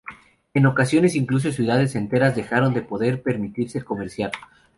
En ocasiones incluso ciudades enteras dejaron de poder permitirse comerciar.